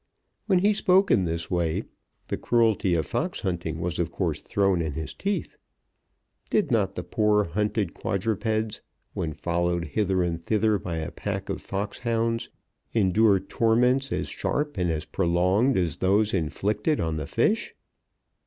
When he spoke in this way the cruelty of fox hunting was of course thrown in his teeth. Did not the poor hunted quadrupeds, when followed hither and thither by a pack of fox hounds, endure torments as sharp and as prolonged as those inflicted on the fish?